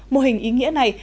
mô hình ý nghĩa này